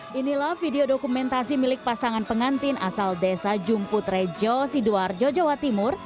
hai inilah video dokumentasi milik pasangan pengantin asal desa jumputrejo sidoarjo jawa timur